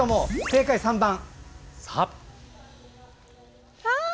正解３番。